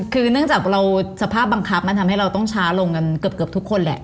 คือเนื่องจากเราสภาพบังคับมันทำให้เราต้องช้าลงกันเกือบทุกคนแหละ